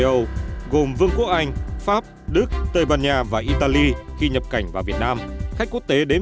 châu âu gồm vương quốc anh pháp đức tây ban nha và italy khi nhập cảnh vào việt nam khách quốc tế đến